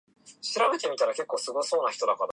ありがとうございます